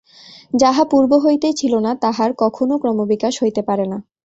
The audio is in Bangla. যাহা পূর্ব হইতেই ছিল না, তাহার কখনও ক্রমবিকাশ হইতে পারে না।